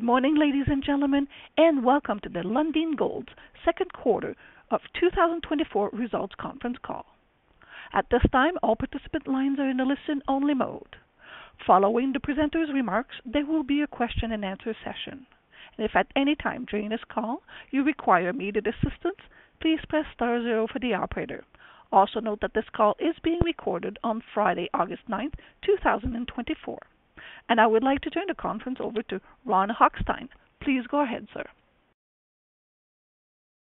Good morning, ladies and gentlemen, and welcome to the Lundin Gold second quarter of 2024 results conference call. At this time, all participant lines are in a listen-only mode. Following the presenter's remarks, there will be a question and answer session. If at any time during this call you require immediate assistance, please press star zero for the operator. Also note that this call is being recorded on Friday, August ninth, 2024. I would like to turn the conference over to Ron Hochstein. Please go ahead, sir.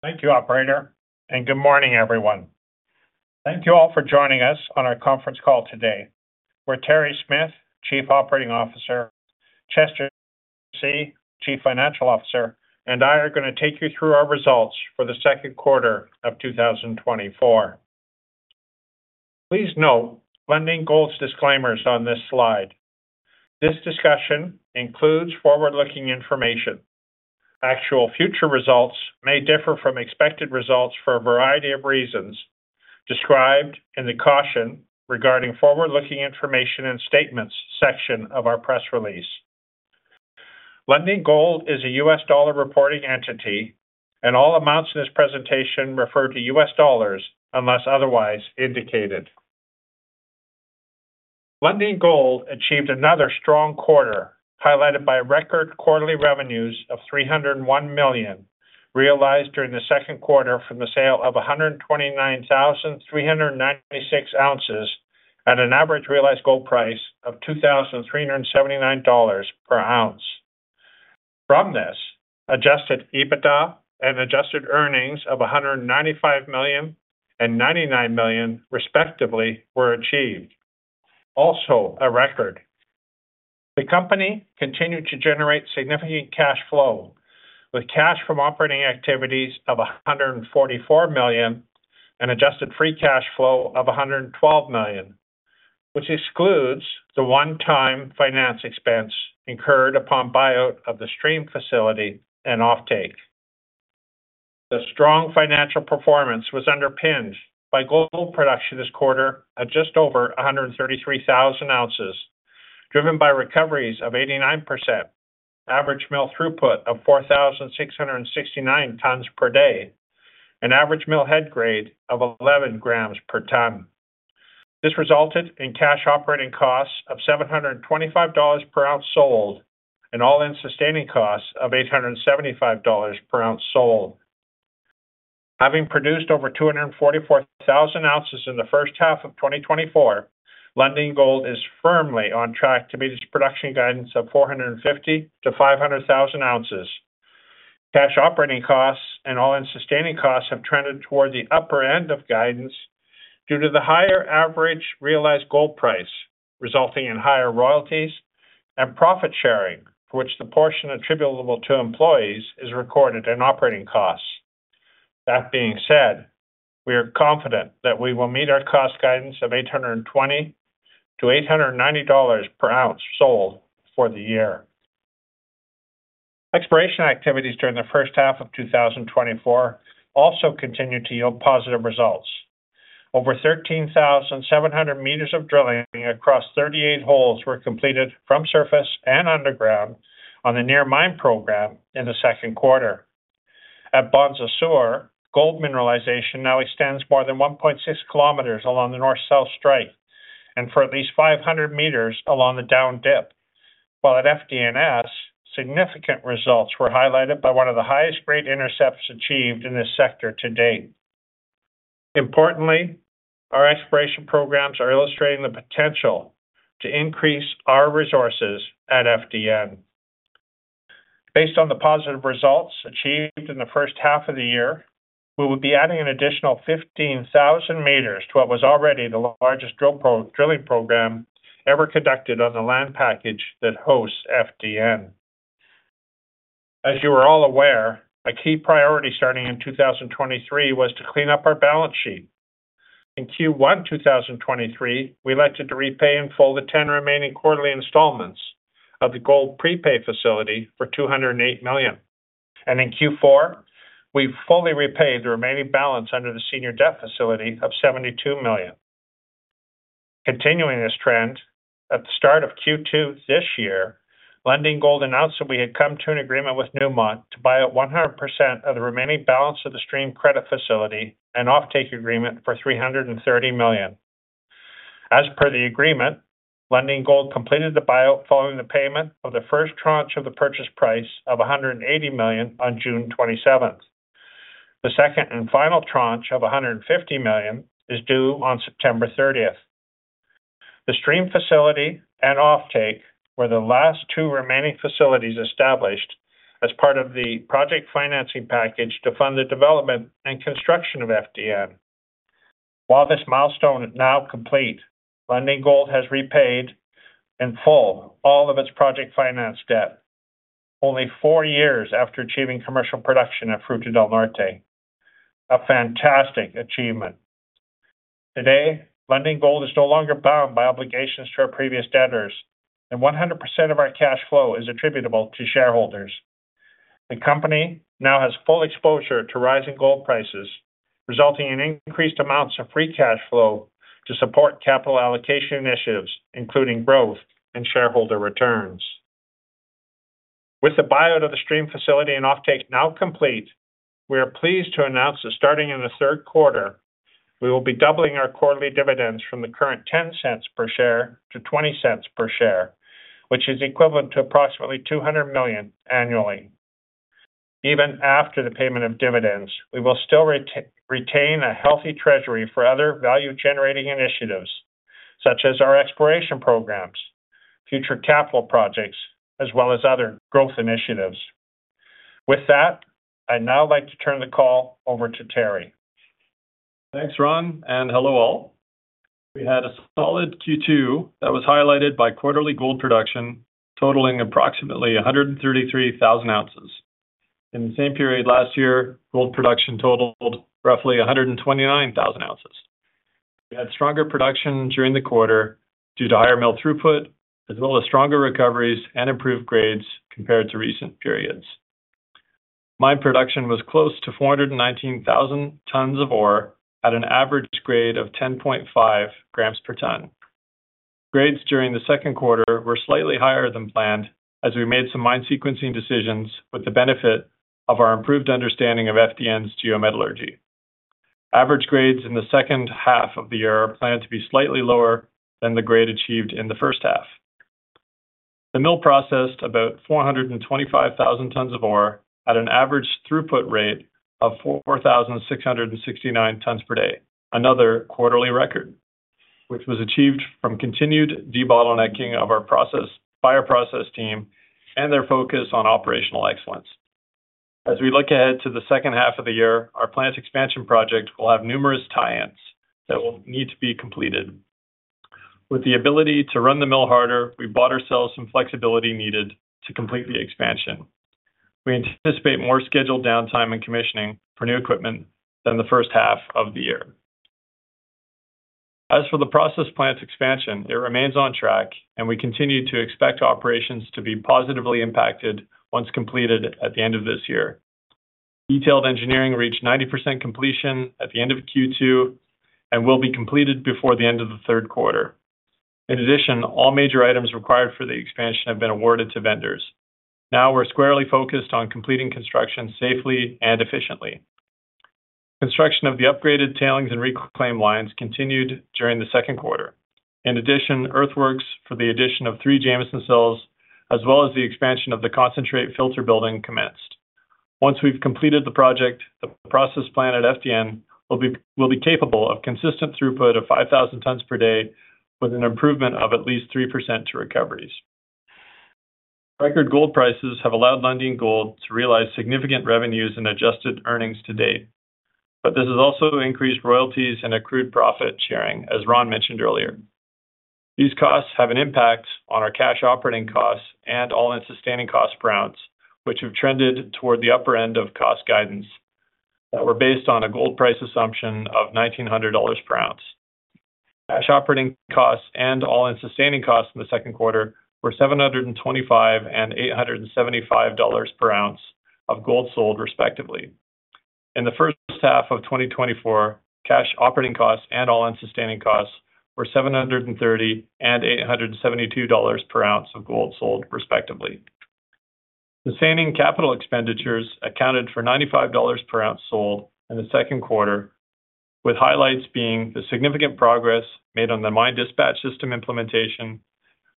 Thank you, operator, and good morning, everyone. Thank you all for joining us on our conference call today. We're Terry Smith, Chief Operating Officer, Chester See, Chief Financial Officer, and I are going to take you through our results for the second quarter of 2024. Please note Lundin Gold's disclaimers on this slide. This discussion includes forward-looking information. Actual future results may differ from expected results for a variety of reasons, described in the Caution Regarding Forward-Looking Information and Statements section of our press release. Lundin Gold is a U.S. dollar reporting entity, and all amounts in this presentation refer to U.S. dollars unless otherwise indicated. Lundin Gold achieved another strong quarter, highlighted by record quarterly revenues of $301 million, realized during the second quarter from the sale of 129,396 ounces at an average realized gold price of $2,379 per ounce. From this, Adjusted EBITDA and adjusted earnings of $195 million and $99 million, respectively, were achieved. Also a record. The company continued to generate significant cash flow, with cash from operating activities of $144 million and adjusted free cash flow of $112 million, which excludes the one-time finance expense incurred upon buyout of the stream facility and offtake. The strong financial performance was underpinned by gold production this quarter at just over 133,000 ounces, driven by recoveries of 89%, average mill throughput of 4,669 tons per day, an average mill head grade of 11 g/t. This resulted in cash operating costs of $725 per ounce sold and all-in sustaining costs of $875 per ounce sold. Having produced over 244,000 ounces in the first half of 2024, Lundin Gold is firmly on track to meet its production guidance of 450,000-500,000 ounces. Cash operating costs and all-in sustaining costs have trended toward the upper end of guidance due to the higher average realized gold price, resulting in higher royalties and profit sharing, for which the portion attributable to employees is recorded in operating costs. That being said, we are confident that we will meet our cost guidance of $820-$890 per ounce sold for the year. Exploration activities during the first half of 2024 also continued to yield positive results. Over 13,700 m of drilling across 38 holes were completed from surface and underground on the near mine program in the second quarter. At Bonza Sur, gold mineralization now extends more than 1.6 km along the north-south strike and for at least 500 m along the down dip, while at FDNS, significant results were highlighted by one of the highest grade intercepts achieved in this sector to date. Importantly, our exploration programs are illustrating the potential to increase our resources at FDN. Based on the positive results achieved in the first half of the year, we will be adding an additional 15,000 m to what was already the largest drilling program ever conducted on the land package that hosts FDN. As you are all aware, a key priority starting in 2023 was to clean up our balance sheet. In Q1 2023, we elected to repay in full the 10 remaining quarterly installments of the gold prepay facility for $208 million. In Q4, we fully repaid the remaining balance under the senior debt facility of $72 million. Continuing this trend, at the start of Q2 this year, Lundin Gold announced that we had come to an agreement with Newmont to buy out 100% of the remaining balance of the stream credit facility and offtake agreement for $330 million. As per the agreement, Lundin Gold completed the buyout following the payment of the first tranche of the purchase price of $180 million on June 27th. The second and final tranche of $150 million is due on September 30th. The stream facility and offtake were the last two remaining facilities established as part of the project financing package to fund the development and construction of FDN. While this milestone is now complete, Lundin Gold has repaid in full all of its project finance debt, only four years after achieving commercial production at Fruta del Norte. A fantastic achievement! Today, Lundin Gold is no longer bound by obligations to our previous debtors, and 100% of our cash flow is attributable to shareholders. The company now has full exposure to rising gold prices, resulting in increased amounts of free cash flow to support capital allocation initiatives, including growth and shareholder returns. With the buyout of the stream facility and offtake now complete, we are pleased to announce that starting in the third quarter, we will be doubling our quarterly dividends from the current $0.10 per share-$0.20 per share, which is equivalent to approximately $200 million annually. Even after the payment of dividends, we will still retain a healthy treasury for other value-generating initiatives, such as our exploration programs, future capital projects, as well as other growth initiatives. With that, I'd now like to turn the call over to Terry. Thanks, Ron, and hello, all. We had a solid Q2 that was highlighted by quarterly gold production totaling approximately 133,000 ounces. In the same period last year, gold production totaled roughly 129,000 ounces. We had stronger production during the quarter due to higher mill throughput, as well as stronger recoveries and improved grades compared to recent periods. Mine production was close to 419,000 t of ore at an average grade of 10.5. g/t Grades during the second quarter were slightly higher than planned, as we made some mine sequencing decisions with the benefit of our improved understanding of FDN's geometallurgy. Average grades in the second half of the year are planned to be slightly lower than the grade achieved in the first half. The mill processed about 425,000 t of ore at an average throughput rate of 4,669 t/day, another quarterly record, which was achieved from continued debottlenecking of our process plant by our process team and their focus on operational excellence. As we look ahead to the second half of the year, our plant expansion project will have numerous tie-ins that will need to be completed. With the ability to run the mill harder, we bought ourselves some flexibility needed to complete the expansion. We anticipate more scheduled downtime and commissioning for new equipment than the first half of the year. As for the process plant expansion, it remains on track, and we continue to expect operations to be positively impacted once completed at the end of this year. Detailed engineering reached 90% completion at the end of Q2 and will be completed before the end of the third quarter. In addition, all major items required for the expansion have been awarded to vendors. Now we're squarely focused on completing construction safely and efficiently. Construction of the upgraded tailings and reclaim lines continued during the second quarter. In addition, earthworks for the addition of 3 Jameson cells, as well as the expansion of the concentrate filter building, commenced. Once we've completed the project, the process plant at FDN will be, will be capable of consistent throughput of 5,000 t/day, with an improvement of at least 3% to recoveries. Record gold prices have allowed Lundin Gold to realize significant revenues and adjusted earnings to date, but this has also increased royalties and accrued profit sharing, as Ron mentioned earlier. These costs have an impact on our cash operating costs and all-in sustaining cost per ounce, which have trended toward the upper end of cost guidance, that were based on a gold price assumption of $1,900 per ounce. Cash operating costs and all-in sustaining costs in the second quarter were $725 and $875 per ounce of gold sold, respectively. In the first half of 2024, cash operating costs and all-in sustaining costs were $730 and $872 per ounce of gold sold, respectively. Sustaining capital expenditures accounted for $95 per ounce sold in the second quarter, with highlights being the significant progress made on the mine dispatch system implementation,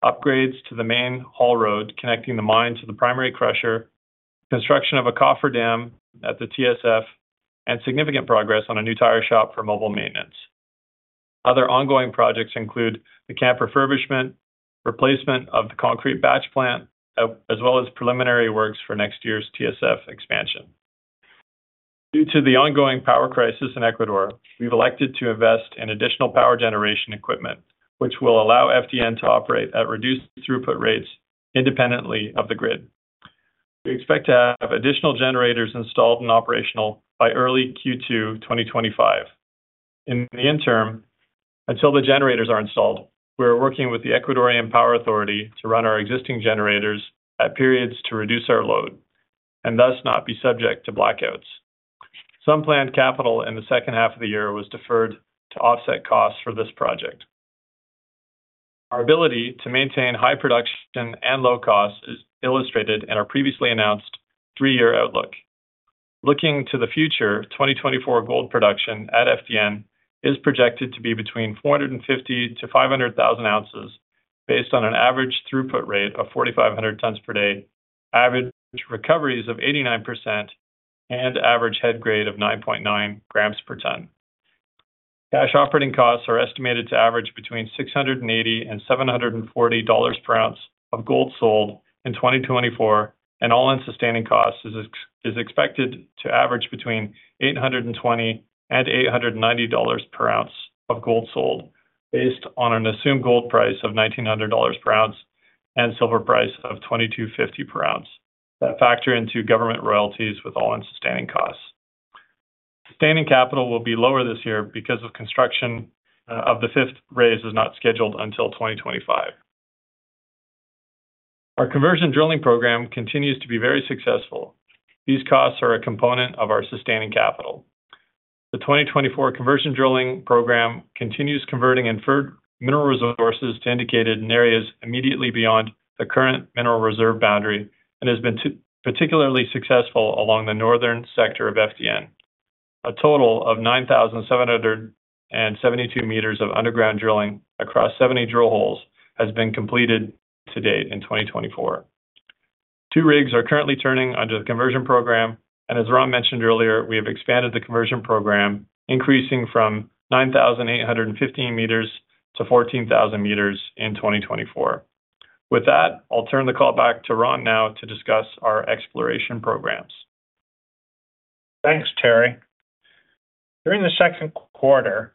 upgrades to the main haul road connecting the mine to the primary crusher, construction of a cofferdam at the TSF, and significant progress on a new tire shop for mobile maintenance. Other ongoing projects include the camp refurbishment, replacement of the concrete batch plant, as well as preliminary works for next year's TSF expansion. Due to the ongoing power crisis in Ecuador, we've elected to invest in additional power generation equipment, which will allow FDN to operate at reduced throughput rates independently of the grid. We expect to have additional generators installed and operational by early Q2 2025. In the interim, until the generators are installed, we are working with the Ecuadorian Power Authority to run our existing generators at periods to reduce our load and thus not be subject to blackouts. Some planned capital in the second half of the year was deferred to offset costs for this project. Our ability to maintain high production and low cost is illustrated in our previously announced three-year outlook. Looking to the future, 2024 gold production at FDN is projected to be between 450,000-500,000 ounces based on an average throughput rate of 4,500 t/day, average recoveries of 89%, and average head grade of 9.9 grams per ton. Cash operating costs are estimated to average between $680 and $740 per ounce of gold sold in 2024, and all-in sustaining costs is expected to average between $820 and $890 per ounce of gold sold, based on an assumed gold price of $1,900 per ounce and silver price of $22.50 per ounce, that factor into government royalties with all-in sustaining costs. Sustaining capital will be lower this year because of construction of the fifth raise is not scheduled until 2025. Our conversion drilling program continues to be very successful. These costs are a component of our sustaining capital. The 2024 conversion drilling program continues converting inferred mineral resources to indicated in areas immediately beyond the current mineral reserve boundary, and has been particularly successful along the northern sector of FDN. A total of 9,772 m of underground drilling across 70 drill holes has been completed to date in 2024. Two rigs are currently turning under the conversion program, and as Ron mentioned earlier, we have expanded the conversion program, increasing from 9,815 m-14,000 m in 2024. With that, I'll turn the call back to Ron now to discuss our exploration programs. Thanks, Terry. During the second quarter,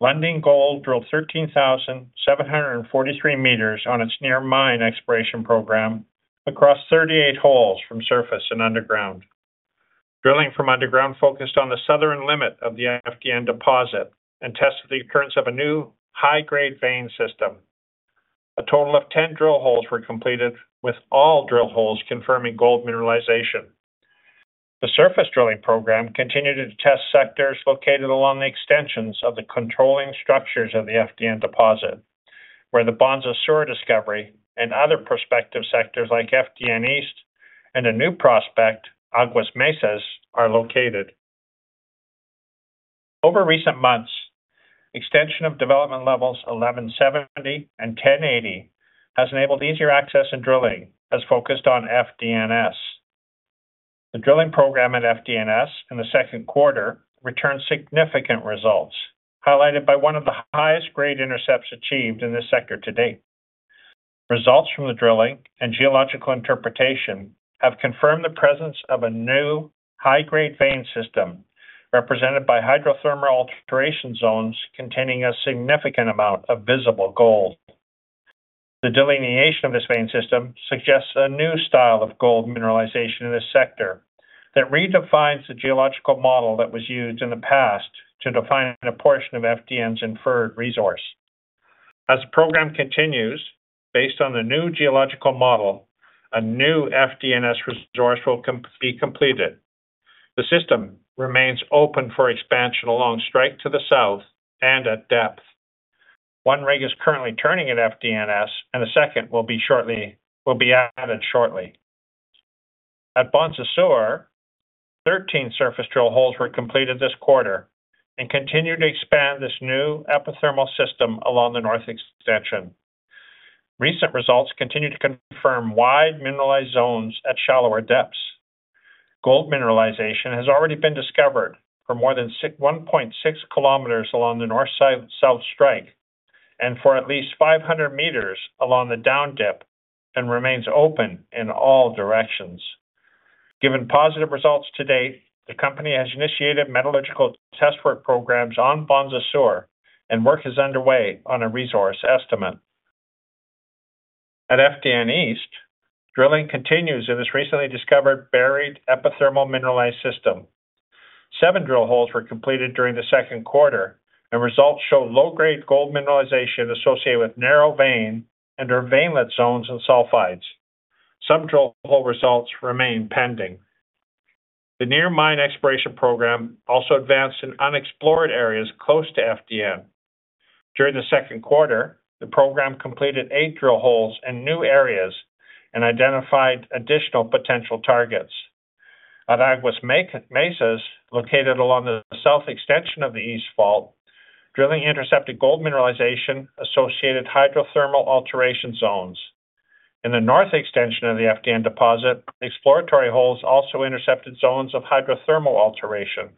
Lundin Gold drilled 13,743 m on its near mine exploration program across 38 holes from surface and underground. Drilling from underground focused on the southern limit of the FDN deposit and tested the occurrence of a new high-grade vein system. A total of 10 drill holes were completed, with all drill holes confirming gold mineralization. The surface drilling program continued to test sectors located along the extensions of the controlling structures of the FDN deposit, where the Bonza Sur discovery and other prospective sectors like FDN East and a new prospect, Aguas Mesas, are located. Over recent months, extension of development levels 1,170 and 1,080 has enabled easier access, and drilling has focused on FDNS. The drilling program at FDNS in the second quarter returned significant results, highlighted by one of the highest grade intercepts achieved in this sector to date. Results from the drilling and geological interpretation have confirmed the presence of a new high-grade vein system, represented by hydrothermal alteration zones containing a significant amount of visible gold. The delineation of this vein system suggests a new style of gold mineralization in this sector that redefines the geological model that was used in the past to define a portion of FDN's inferred resource. As the program continues, based on the new geological model, a new FDNS resource will be completed. The system remains open for expansion along strike to the south and at depth. One rig is currently turning at FDNS, and a second will be added shortly. At Bonza Sur, 13 surface drill holes were completed this quarter and continued to expand this new epithermal system along the north extension. Recent results continue to confirm wide mineralized zones at shallower depths. Gold mineralization has already been discovered for more than 6.16 km along the north side-south strike, and for at least 500 m along the down dip, and remains open in all directions. Given positive results to date, the company has initiated metallurgical test work programs on Bonza Sur, and work is underway on a resource estimate. At FDN East, drilling continues in this recently discovered buried epithermal mineralized system. Seven drill holes were completed during the second quarter, and results show low-grade gold mineralization associated with narrow vein and or veinlet zones and sulfides. Some drill hole results remain pending. The near mine exploration program also advanced in unexplored areas close to FDN. During the second quarter, the program completed eight drill holes in new areas and identified additional potential targets. At Aguas Mesas, located along the south extension of the East Fault, drilling intercepted gold mineralization associated hydrothermal alteration zones. In the north extension of the FDN deposit, exploratory holes also intercepted zones of hydrothermal alteration.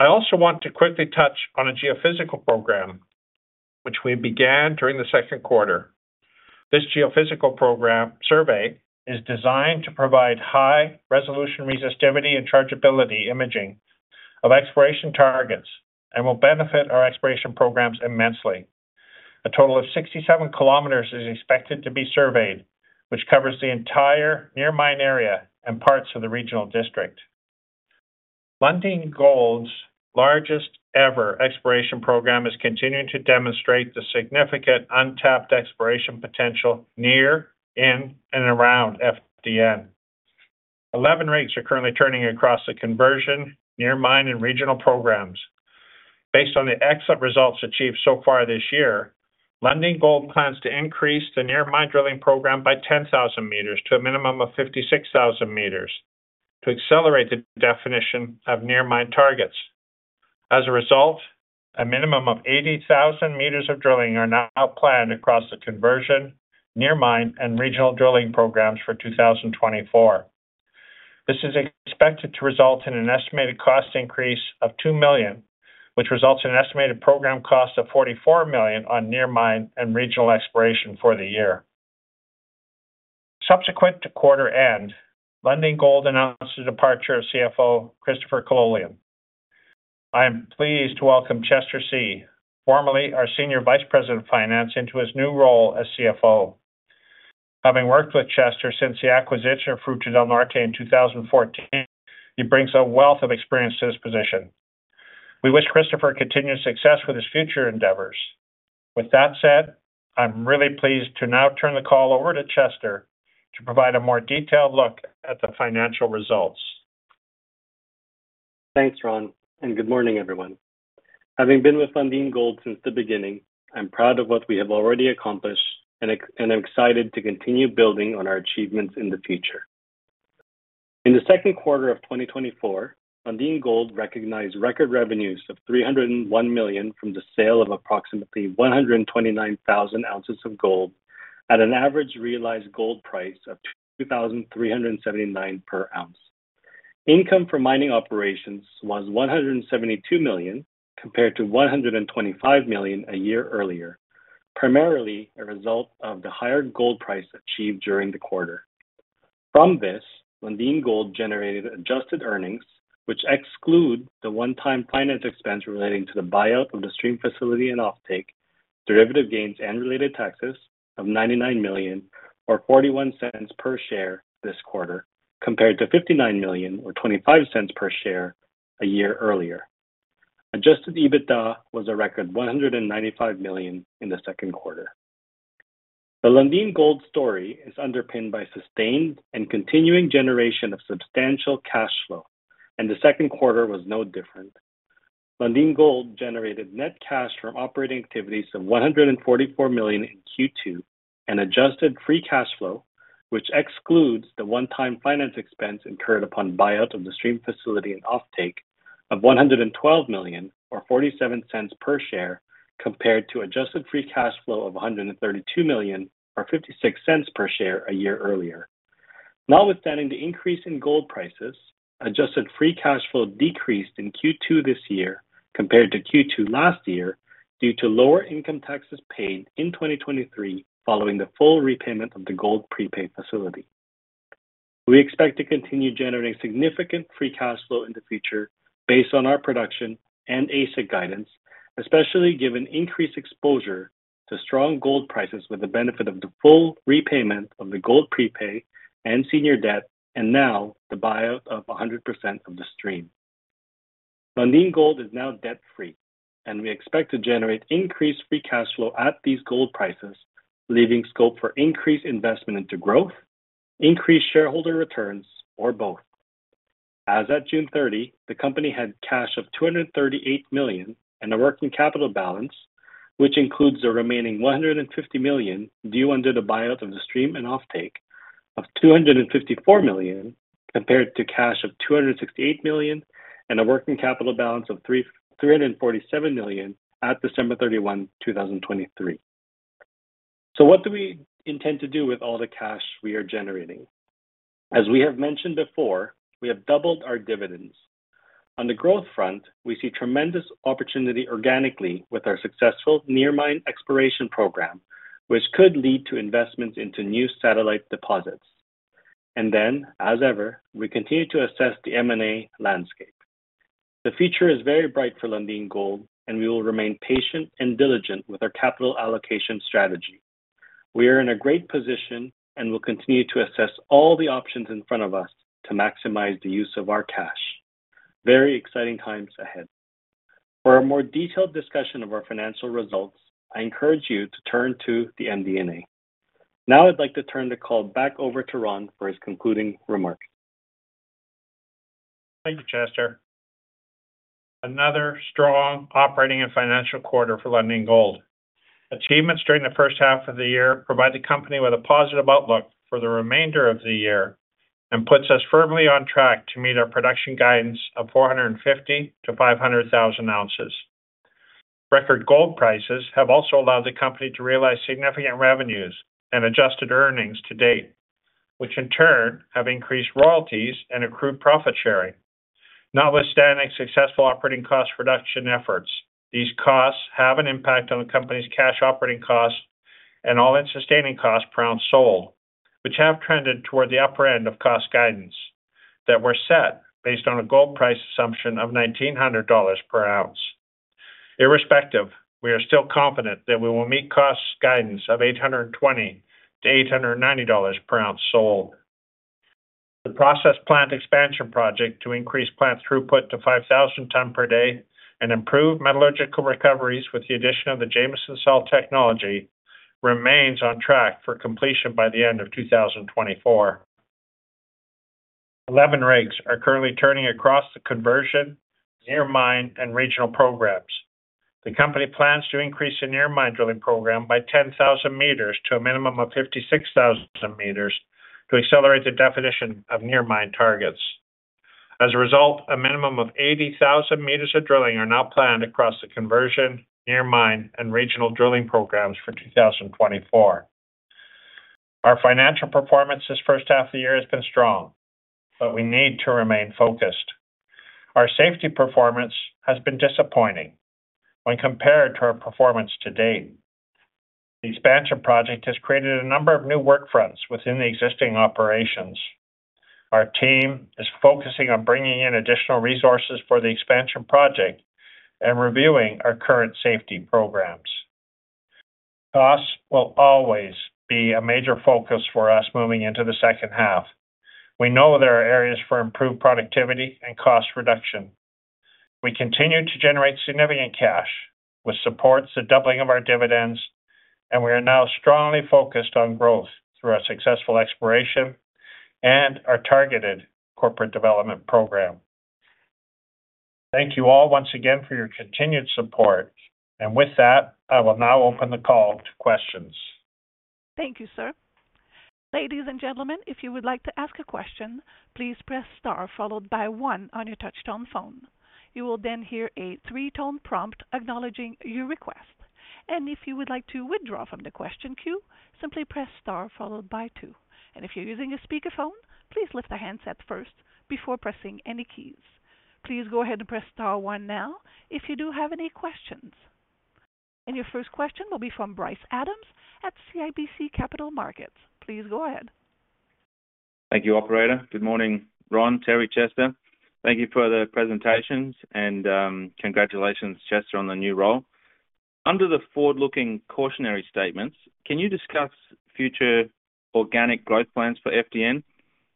I also want to quickly touch on a geophysical program which we began during the second quarter. This geophysical program survey is designed to provide high-resolution resistivity and chargeability imaging of exploration targets and will benefit our exploration programs immensely. A total of 67 km is expected to be surveyed, which covers the entire near mine area and parts of the regional district. Lundin Gold's largest-ever exploration program is continuing to demonstrate the significant untapped exploration potential near, in, and around FDN. 11 rigs are currently turning across the conversion, near mine, and regional programs. Based on the excellent results achieved so far this year, Lundin Gold plans to increase the near mine drilling program by 10,000 m to a minimum of 56,000 m to accelerate the definition of near mine targets. As a result, a minimum of 80,000 m of drilling are now planned across the conversion, near mine, and regional drilling programs for 2024. This is expected to result in an estimated cost increase of $2 million, which results in an estimated program cost of $44 million on near mine and regional exploration for the year. Subsequent to quarter end, Lundin Gold announced the departure of CFO Christopher Kololian. I am pleased to welcome Chester See, formerly our Senior Vice President of Finance, into his new role as CFO. Having worked with Chester since the acquisition of Fruta del Norte in 2014, he brings a wealth of experience to this position. We wish Christopher continued success with his future endeavors. With that said, I'm really pleased to now turn the call over to Chester to provide a more detailed look at the financial results. Thanks, Ron, and good morning, everyone. Having been with Lundin Gold since the beginning, I'm proud of what we have already accomplished, and I'm excited to continue building on our achievements in the future. In the second quarter of 2024, Lundin Gold recognized record revenues of $301 million from the sale of approximately 129,000 ounces of gold at an average realized gold price of $2,379 per ounce. Income from mining operations was $172 million, compared to $125 million a year earlier, primarily a result of the higher gold price achieved during the quarter. From this, Lundin Gold generated adjusted earnings, which exclude the one-time finance expense relating to the buyout of the stream facility and offtake, derivative gains and related taxes of $99 million or $0.41 per share this quarter, compared to $59 million or $0.25 per share a year earlier. Adjusted EBITDA was a record $195 million in the second quarter. The Lundin Gold story is underpinned by sustained and continuing generation of substantial cash flow, and the second quarter was no different. Lundin Gold generated net cash from operating activities of $144 million in Q2, and adjusted free cash flow, which excludes the one-time finance expense incurred upon buyout of the stream facility and offtake of $112 million or $0.47 per share, compared to adjusted free cash flow of $132 million or $0.56 per share a year earlier. Notwithstanding the increase in gold prices, adjusted free cash flow decreased in Q2 this year compared to Q2 last year, due to lower income taxes paid in 2023, following the full repayment of the gold prepaid facility. We expect to continue generating significant free cash flow in the future based on our production and AISC guidance, especially given increased exposure to strong gold prices with the benefit of the full repayment of the gold prepay and senior debt, and now the buyout of 100% of the stream. Lundin Gold is now debt-free, and we expect to generate increased free cash flow at these gold prices, leaving scope for increased investment into growth, increased shareholder returns, or both. As at June 30, the company had cash of $238 million and a working capital balance, which includes the remaining $150 million due under the buyout of the stream and offtake of $254 million, compared to cash of $268 million and a working capital balance of $347 million at December 31, 2023. So what do we intend to do with all the cash we are generating? As we have mentioned before, we have doubled our dividends. On the growth front, we see tremendous opportunity organically with our successful near mine exploration program, which could lead to investments into new satellite deposits. And then, as ever, we continue to assess the M&A landscape. The future is very bright for Lundin Gold, and we will remain patient and diligent with our capital allocation strategy. We are in a great position, and we'll continue to assess all the options in front of us to maximize the use of our cash. Very exciting times ahead. For a more detailed discussion of our financial results, I encourage you to turn to the MD&A. Now, I'd like to turn the call back over to Ron for his concluding remarks. Thank you, Chester. Another strong operating and financial quarter for Lundin Gold. Achievements during the first half of the year provide the company with a positive outlook for the remainder of the year and puts us firmly on track to meet our production guidance of 450,000-500,000 ounces. Record gold prices have also allowed the company to realize significant revenues and adjusted earnings to date, which in turn have increased royalties and accrued profit sharing. Notwithstanding successful operating cost reduction efforts, these costs have an impact on the company's cash operating costs and all-in sustaining cost per ounce sold, which have trended toward the upper end of cost guidance that were set based on a gold price assumption of $1,900 per ounce. Irrespective, we are still confident that we will meet costs guidance of $820-$890 per ounce sold. The process plant expansion project to increase plant throughput to 5,000 tons per day and improve metallurgical recoveries with the addition of the Jameson Cell technology, remains on track for completion by the end of 2024. 11 rigs are currently turning across the conversion, near mine, and regional programs. The company plans to increase the near mine drilling program by 10,000 m to a minimum of 56,000 m to accelerate the definition of near mine targets. As a result, a minimum of 80,000 m of drilling are now planned across the conversion, near mine, and regional drilling programs for 2024. Our financial performance this first half of the year has been strong, but we need to remain focused. Our safety performance has been disappointing when compared to our performance to date. ...The expansion project has created a number of new work fronts within the existing operations. Our team is focusing on bringing in additional resources for the expansion project and reviewing our current safety programs. Cost will always be a major focus for us moving into the second half. We know there are areas for improved productivity and cost reduction. We continue to generate significant cash, which supports the doubling of our dividends, and we are now strongly focused on growth through our successful exploration and our targeted corporate development program. Thank you all once again for your continued support. With that, I will now open the call to questions. Thank you, sir. Ladies and gentlemen, if you would like to ask a question, please press star followed by one on your touch-tone phone. You will then hear a three-tone prompt acknowledging your request. If you would like to withdraw from the question queue, simply press star followed by two. If you're using a speakerphone, please lift the handset first before pressing any keys. Please go ahead and press star one now if you do have any questions. Your first question will be from Bryce Adams at CIBC Capital Markets. Please go ahead. Thank you, operator. Good morning, Ron, Terry, Chester. Thank you for the presentations, and, congratulations, Chester, on the new role. Under the forward-looking cautionary statements, can you discuss future organic growth plans for FDN,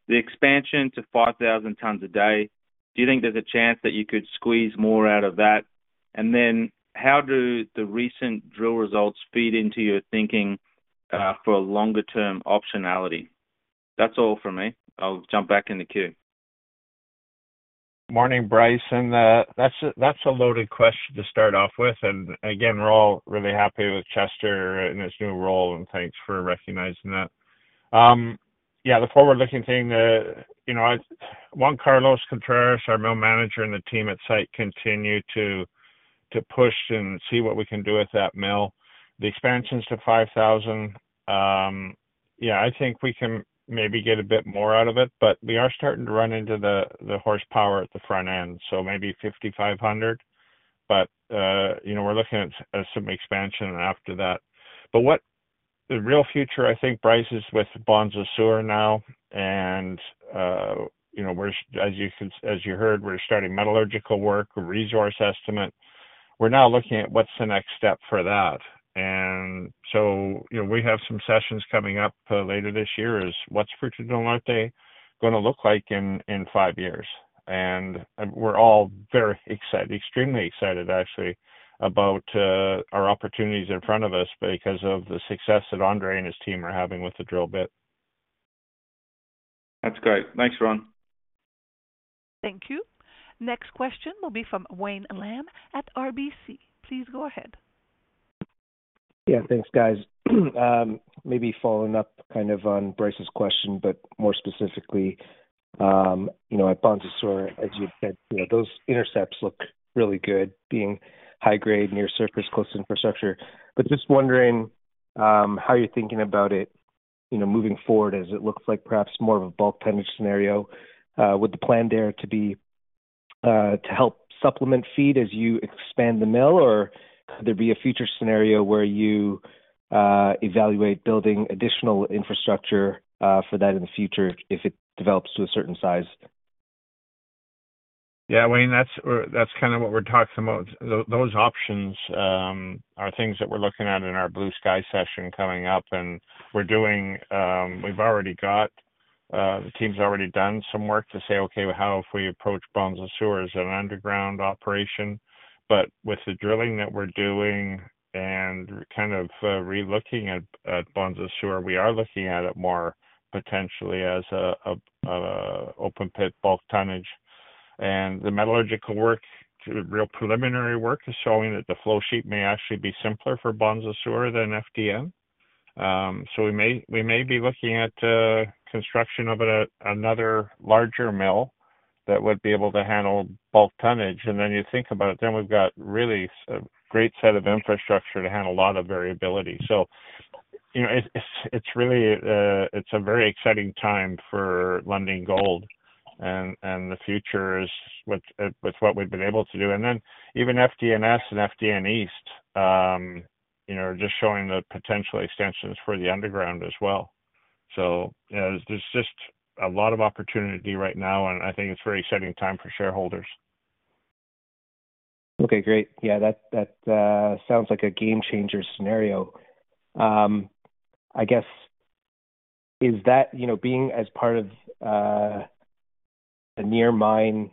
the expansion to 5,000 tons a day? Do you think there's a chance that you could squeeze more out of that? And then how do the recent drill results feed into your thinking, for a longer-term optionality? That's all for me. I'll jump back in the queue. Morning, Bryce, that's a loaded question to start off with. And again, we're all really happy with Chester in his new role, and thanks for recognizing that. Yeah, the forward-looking thing, you know, Juan Carlos Contreras, our mill manager, and the team at site continue to push and see what we can do with that mill. The expansions to 5,000, yeah, I think we can maybe get a bit more out of it, but we are starting to run into the horsepower at the front end, so maybe 5,500. But, you know, we're looking at some expansion after that. But what the real future, I think, Bryce, is with Bonza Sur now, and, you know, we're, as you heard, we're starting metallurgical work, resource estimate. We're now looking at what's the next step for that. And so, you know, we have some sessions coming up later this year, is what's Fruta del Norte gonna look like in five years? And we're all very excited, extremely excited, actually, about our opportunities in front of us because of the success that Andre and his team are having with the drill bit. That's great. Thanks, Ron. Thank you. Next question will be from Wayne Lam at RBC. Please go ahead. Yeah, thanks, guys. Maybe following up kind of on Bryce's question, but more specifically, you know, at Bonza Sur, as you said, you know, those intercepts look really good, being high grade, near surface, close infrastructure. But just wondering, how you're thinking about it, you know, moving forward, as it looks like perhaps more of a bulk tonnage scenario, with the plan there to be, to help supplement feed as you expand the mill, or could there be a future scenario where you, evaluate building additional infrastructure, for that in the future, if it develops to a certain size? Yeah, Wayne, that's, that's kind of what we're talking about. Those options are things that we're looking at in our blue sky session coming up, and we're doing... We've already got, the team's already done some work to say, "Okay, how if we approach Bonza Sur as an underground operation?" But with the drilling that we're doing and kind of, relooking at, at Bonza Sur, we are looking at it more potentially as a, open pit bulk tonnage. And the metallurgical work, real preliminary work, is showing that the flow sheet may actually be simpler for Bonza Sur than FDN. So we may, we may be looking at, construction of it at another larger mill that would be able to handle bulk tonnage. And then you think about it, then we've got really a great set of infrastructure to handle a lot of variability. So, you know, it's really, it's a very exciting time for Lundin Gold and the future is with what we've been able to do. And then even FDNS and FDN East, you know, are just showing the potential extensions for the underground as well. So yeah, there's just a lot of opportunity right now, and I think it's a very exciting time for shareholders. Okay, great. Yeah, that sounds like a game changer scenario. I guess, is that, you know, being as part of a near mine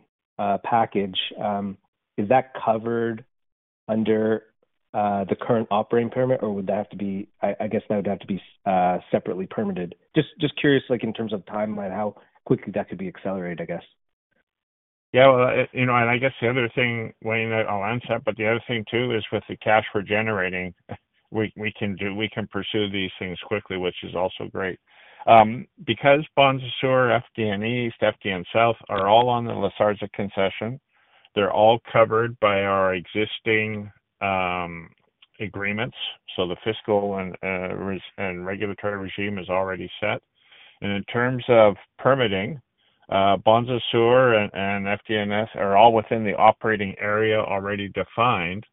package, is that covered under the current operating permit, or would that have to be... I guess, that would have to be separately permitted? Just curious, like, in terms of timeline, how quickly that could be accelerated, I guess. Yeah, well, you know, and I guess the other thing, Wayne, that I'll answer, but the other thing, too, is with the cash we're generating, we can pursue these things quickly, which is also great. Because Bonza Sur, FDN East, FDN South are all on the La Zarza concession, they're all covered by our existing agreements, so the fiscal and resource and regulatory regime is already set. And in terms of permitting, Bonza Sur and FDNS are all within the operating area already defined,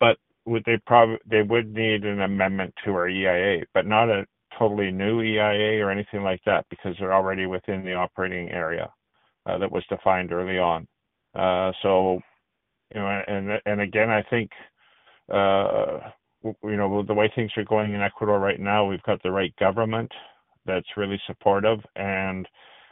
but they would need an amendment to our EIA, but not a totally new EIA or anything like that, because they're already within the operating area that was defined early on. So, you know, and again, I think, you know, the way things are going in Ecuador right now, we've got the right government that's really supportive. And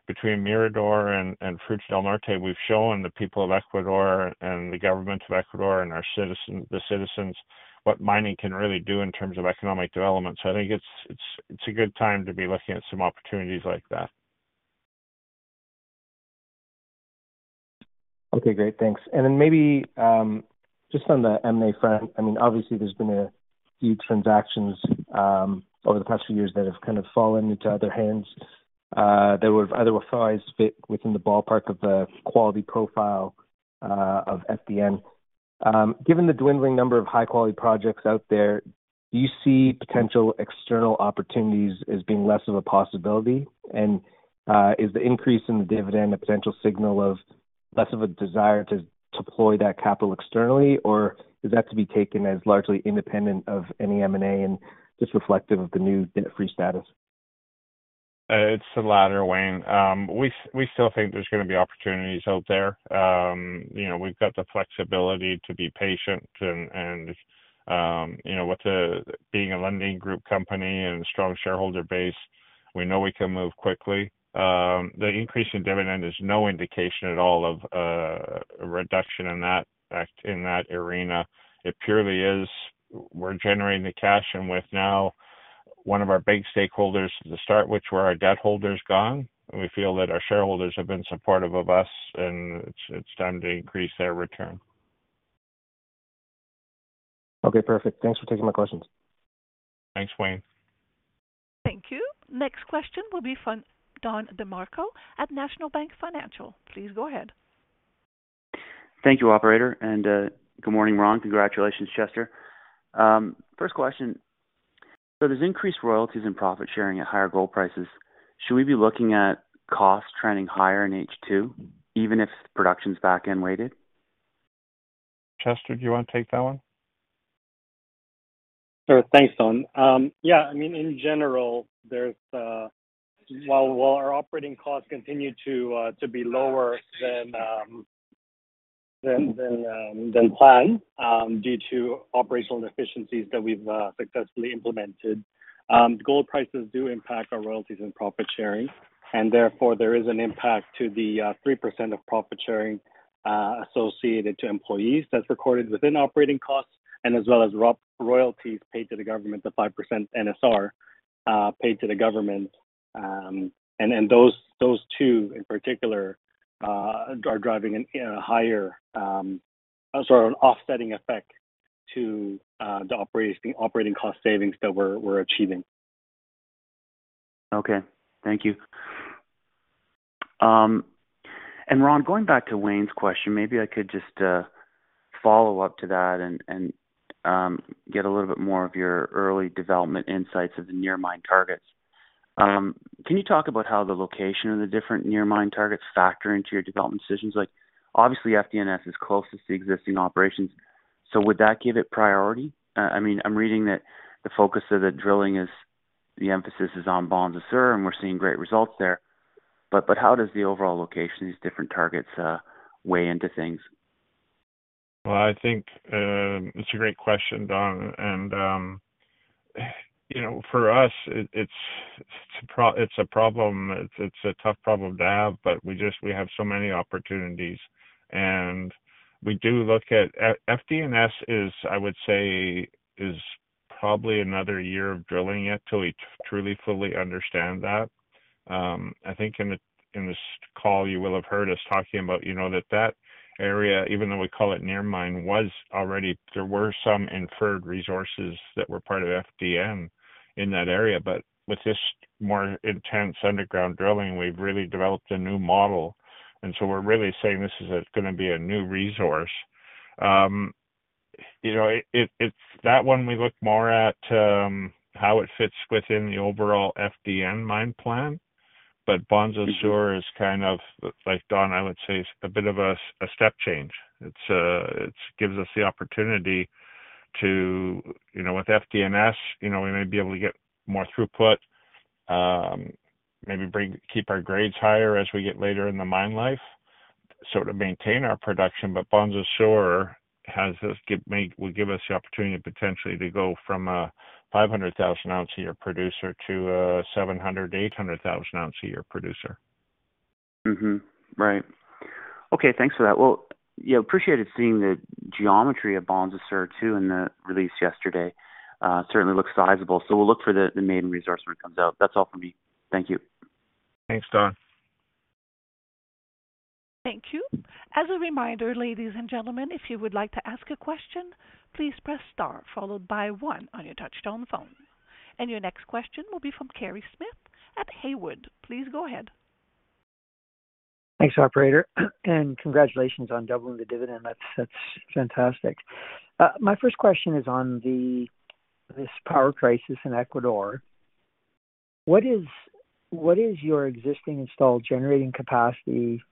between Mirador and Fruta del Norte, we've shown the people of Ecuador and the government of Ecuador and our citizen-- the citizens, what mining can really do in terms of economic development. So I think it's a good time to be looking at some opportunities like that. Okay, great. Thanks. And then maybe, just on the M&A front, I mean, obviously there's been a few transactions, over the past few years that have kind of fallen into other hands. That would otherwise fit within the ballpark of the quality profile, of FDN. Given the dwindling number of high quality projects out there, do you see potential external opportunities as being less of a possibility? And, is the increase in the dividend a potential signal of less of a desire to deploy that capital externally, or is that to be taken as largely independent of any M&A, and just reflective of the new debt-free status? It's the latter, Wayne. We still think there's gonna be opportunities out there. You know, we've got the flexibility to be patient, and you know, with being a lending group company and a strong shareholder base, we know we can move quickly. The increase in dividend is no indication at all of a reduction in that arena. It purely is... We're generating the cash, and with now one of our big stakeholders to start, which were our debt holders gone, and we feel that our shareholders have been supportive of us, and it's time to increase their return. Okay, perfect. Thanks for taking my questions. Thanks, Wayne. Thank you. Next question will be from Don DeMarco at National Bank Financial. Please go ahead. Thank you, operator. Good morning, Ron. Congratulations, Chester. First question: so there's increased royalties and profit sharing at higher gold prices. Should we be looking at cost trending higher in H2, even if production's back-ended weighted? Chester, do you want to take that one? Sure. Thanks, Don. Yeah, I mean, in general, there's while our operating costs continue to be lower than planned, due to operational efficiencies that we've successfully implemented, gold prices do impact our royalties and profit sharing, and therefore, there is an impact to the 3% of profit sharing associated to employees that's recorded within operating costs, and as well as royalties paid to the government, the 5% NSR paid to the government. And those two in particular are driving a higher sort of an offsetting effect to the operating cost savings that we're achieving. Okay. Thank you. And Ron, going back to Wayne's question, maybe I could just follow up to that and get a little bit more of your early development insights of the near mine targets. Can you talk about how the location of the different near mine targets factor into your development decisions? Like, obviously, FDNS is closest to existing operations, so would that give it priority? I mean, I'm reading that the focus of the drilling is, the emphasis is on Bonza Sur, and we're seeing great results there, but how does the overall location, these different targets, weigh into things? Well, I think, it's a great question, Don, and, you know, for us, it, it's, it's a problem, it's a tough problem to have, but we just, we have so many opportunities, and we do look at... FDNS is, I would say, is probably another year of drilling yet till we truly, fully understand that. I think in the, in this call, you will have heard us talking about, you know, that area, even though we call it near mine, was already... There were some inferred resources that were part of FDN in that area. But with this more intense underground drilling, we've really developed a new model, and so we're really saying this is gonna be a new resource. You know, it, it- that one, we look more at, how it fits within the overall FDN mine plan. But Bonza Sur is kind of like, Don, I would say, a bit of a step change. It gives us the opportunity to, you know, with FDNS, you know, we may be able to get more throughput, maybe keep our grades higher as we get later in the mine life, so to maintain our production. But Bonza Sur has this, will give us the opportunity potentially to go from a 500,000 ounce a year producer to a 700,000-800,000 ounce a year producer. Mm-hmm. Right. Okay, thanks for that. Well, yeah, appreciated seeing the geometry of Bonza Sur, too, in the release yesterday. Certainly looks sizable, so we'll look for the maiden resource when it comes out. That's all from me. Thank you. Thanks, Don. Thank you. As a reminder, ladies and gentlemen, if you would like to ask a question, please press star followed by one on your touchtone phone. Your next question will be from Kerry Smith at Haywood. Please go ahead. Thanks, operator, and congratulations on doubling the dividend. That's, that's fantastic. My first question is on the-... this power crisis in Ecuador, what is, what is your existing installed generating capacity,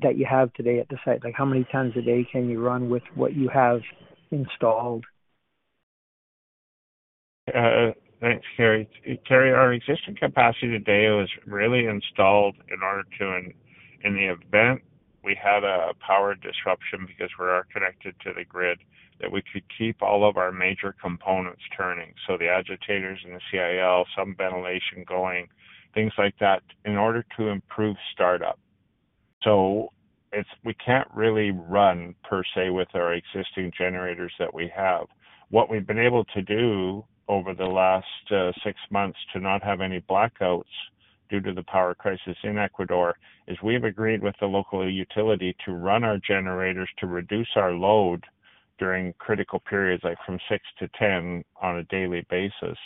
that you have today at the site? Like, how many times a day can you run with what you have installed? Thanks, Terry. Terry, our existing capacity today was really installed in order to, in the event we had a power disruption, because we are connected to the grid, that we could keep all of our major components turning. So the agitators and the CIL, some ventilation going, things like that, in order to improve startup. So it's. We can't really run per se with our existing generators that we have. What we've been able to do over the last six months to not have any blackouts due to the power crisis in Ecuador is we've agreed with the local utility to run our generators to reduce our load during critical periods, like from 6 to 10 on a daily basis,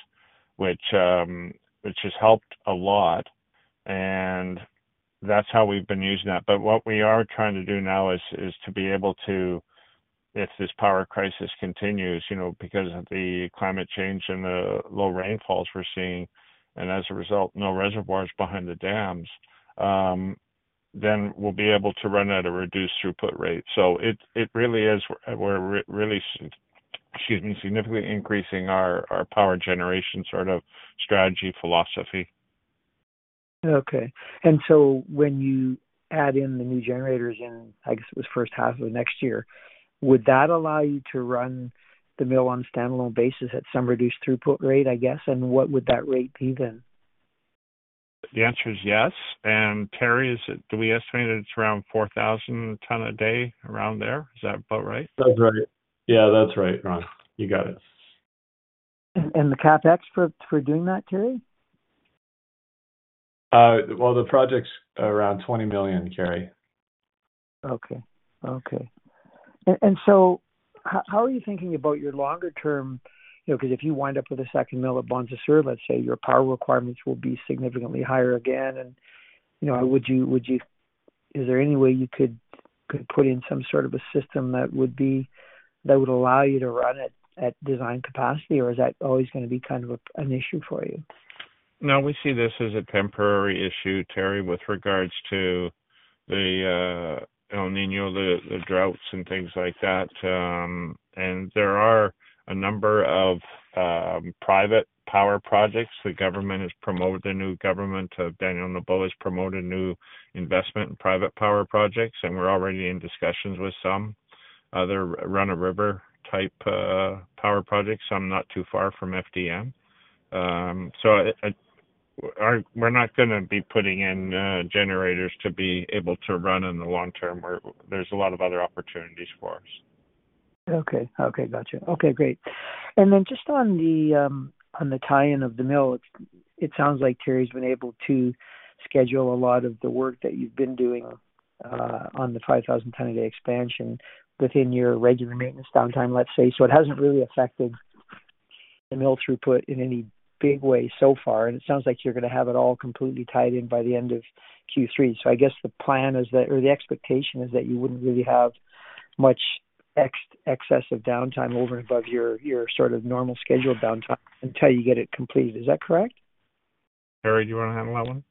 which has helped a lot. And that's how we've been using that. But what we are trying to do now is to be able to, if this power crisis continues, you know, because of the climate change and the low rainfalls we're seeing, and as a result, no reservoirs behind the dams, then we'll be able to run at a reduced throughput rate. So it really is... We're really, excuse me, significantly increasing our power generation sort of strategy, philosophy. Okay. And so when you add in the new generators in, I guess, it was first half of next year, would that allow you to run the mill on a standalone basis at some reduced throughput rate, I guess? And what would that rate be then? The answer is yes. Terry, is it, do we estimate that it's around 4,000 t a day, around there? Is that about right? That's right. Yeah, that's right, Ron. You got it. And the CapEx for doing that, Terry? Well, the project's around $20 million, Terry. Okay. Okay. And so how are you thinking about your longer term? You know, because if you wind up with a second mill at Bonza Sur, let's say, your power requirements will be significantly higher again, and, you know, is there any way you could put in some sort of a system that would allow you to run it at design capacity, or is that always gonna be kind of an issue for you? No, we see this as a temporary issue, Terry, with regards to the El Niño, the droughts and things like that. There are a number of private power projects. The new government of Daniel Noboa has promoted new investment in private power projects, and we're already in discussions with some. Other run-of-river type power projects, some not too far from FDN. So, we're not gonna be putting in generators to be able to run in the long term, where there's a lot of other opportunities for us. Okay. Okay, gotcha. Okay, great. And then just on the tie-in of the mill, it sounds like Terry's been able to schedule a lot of the work that you've been doing on the 5,000 t a day expansion within your regular maintenance downtime, let's say. So it hasn't really affected the mill throughput in any big way so far, and it sounds like you're gonna have it all completely tied in by the end of Q3. So I guess the plan is that or the expectation is that you wouldn't really have much excess of downtime over and above your sort of normal scheduled downtime until you get it completed. Is that correct? Terry, do you wanna handle that one?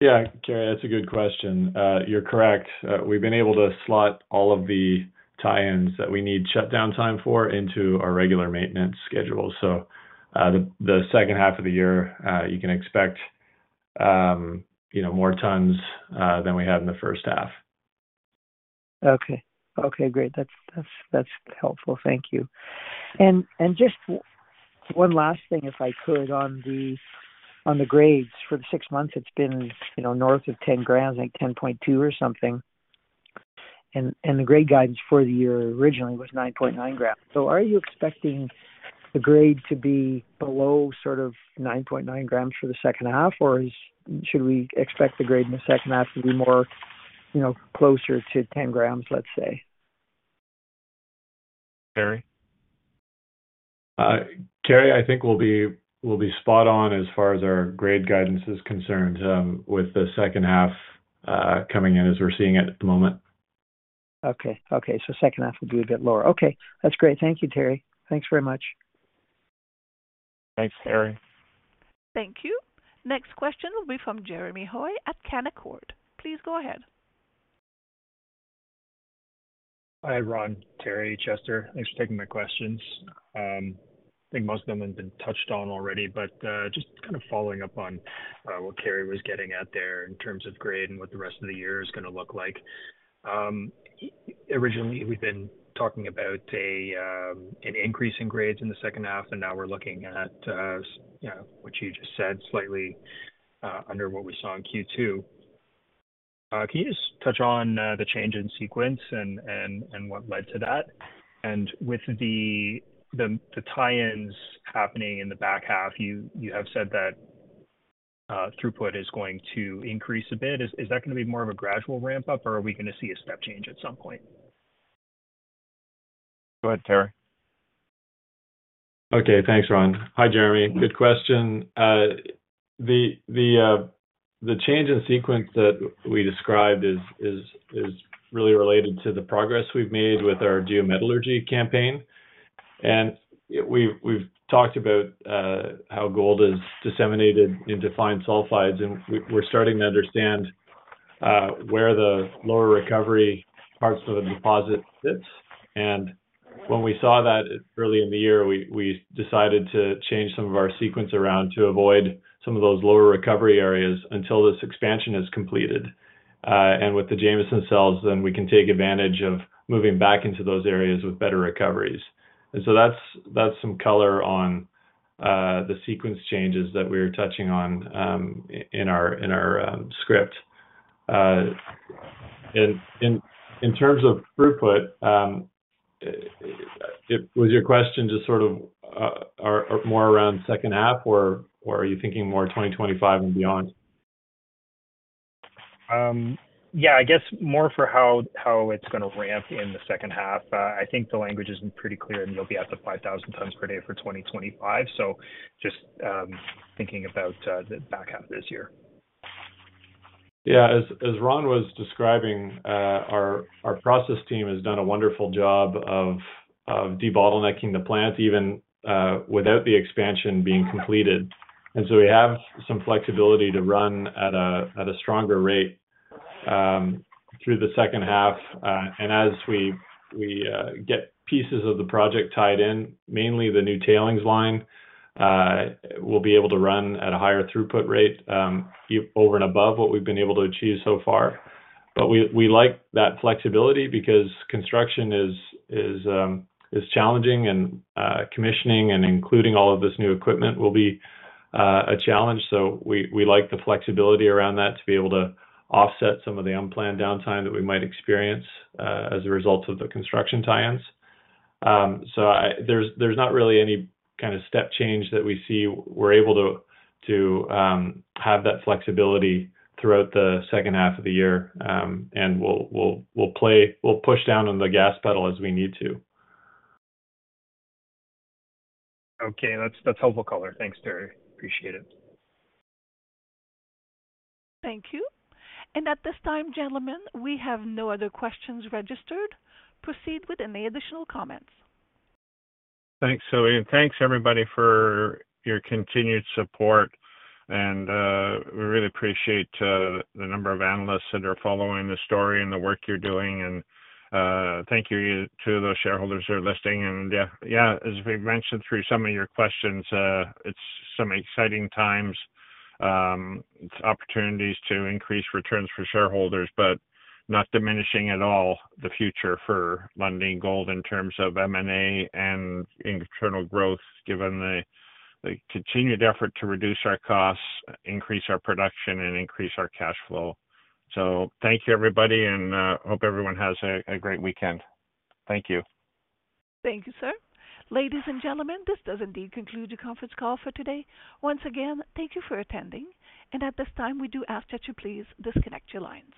Yeah, Terry, that's a good question. You're correct. We've been able to slot all of the tie-ins that we need shutdown time for into our regular maintenance schedule. So, the second half of the year, you can expect, you know, more tons than we have in the first half. Okay. Okay, great. That's, that's, that's helpful. Thank you. And, and just one last thing, if I could, on the, on the grades for the six months, it's been, you know, north of 10 g, like 10.2 or something. And, and the grade guidance for the year originally was 9.9 g. So are you expecting the grade to be below sort of 9.9 g for the second half, or is... should we expect the grade in the second half to be more, you know, closer to 10 g, let's say? Terry? Terry, I think we'll be, we'll be spot on as far as our grade guidance is concerned, with the second half coming in as we're seeing it at the moment. Okay. Okay, so second half will be a bit lower. Okay, that's great. Thank you, Terry. Thanks very much. Thanks, Terry. Thank you. Next question will be from Jeremy Hoy at Canaccord. Please go ahead. Hi, Ron, Terry, Chester, thanks for taking my questions. I think most of them have been touched on already, but just kind of following up on what Terry was getting at there in terms of grade and what the rest of the year is gonna look like. Originally, we've been talking about an increase in grades in the second half, and now we're looking at you know, what you just said, slightly under what we saw in Q2. Can you just touch on the change in sequence and what led to that? And with the tie-ins happening in the back half, you have said that throughput is going to increase a bit. Is that gonna be more of a gradual ramp-up, or are we gonna see a step change at some point? Go ahead, Terry. Okay, thanks, Ron. Hi, Jeremy. Good question. The change in sequence that we described is really related to the progress we've made with our geometallurgy campaign. And we've talked about how gold is disseminated into fine sulfides, and we're starting to understand where the lower recovery parts of the deposit sits. And when we saw that early in the year, we decided to change some of our sequence around to avoid some of those lower recovery areas until this expansion is completed. And with the Jameson cells, then we can take advantage of moving back into those areas with better recoveries. And so that's some color on the sequence changes that we were touching on in our script. And in terms of throughput, it... Was your question just sort of more around second half, or are you thinking more 2025 and beyond? Yeah, I guess more for how it's gonna ramp in the second half. I think the language is pretty clear, and you'll be at the 5,000 t/day for 2025. So just, thinking about, the back half of this year. Yeah. As Ron was describing, our process team has done a wonderful job of debottlenecking the plant, even without the expansion being completed. So we have some flexibility to run at a stronger rate through the second half. And as we get pieces of the project tied in, mainly the new tailings line, we'll be able to run at a higher throughput rate over and above what we've been able to achieve so far. But we like that flexibility because construction is challenging and commissioning and including all of this new equipment will be a challenge. So we like the flexibility around that to be able to offset some of the unplanned downtime that we might experience as a result of the construction tie-ins. So I... There's not really any kind of step change that we see. We're able to have that flexibility throughout the second half of the year. And we'll push down on the gas pedal as we need to. Okay. That's, that's helpful color. Thanks, Terry. Appreciate it. Thank you. At this time, gentlemen, we have no other questions registered. Proceed with any additional comments. Thanks, Zoe, and thanks everybody for your continued support, and we really appreciate the number of analysts that are following the story and the work you're doing. And thank you to those shareholders who are listening. And yeah, yeah, as we've mentioned through some of your questions, it's some exciting times. It's opportunities to increase returns for shareholders, but not diminishing at all the future for Lundin Gold in terms of M&A and internal growth, given the continued effort to reduce our costs, increase our production, and increase our cash flow. So thank you, everybody, and hope everyone has a great weekend. Thank you. Thank you, sir. Ladies and gentlemen, this does indeed conclude the conference call for today. Once again, thank you for attending, and at this time, we do ask that you please disconnect your lines.